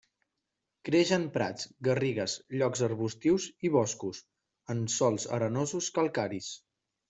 Creix en prats, garrigues, llocs arbustius i boscos, en sòls arenosos calcaris.